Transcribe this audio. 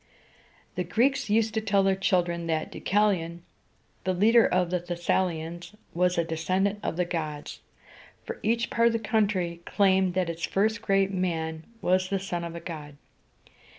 The Greeks used to tell their children that Deu ca´li on, the leader of the Thes sa´li ans, was a descendant of the gods, for each part of the country claimed that its first great man was the son of a god.